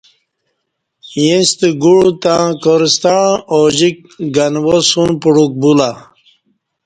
ییں ستہ گوع تں کار ستݩع اجیک گنوا سن پڑوک بو لہ